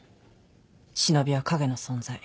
忍びは影の存在。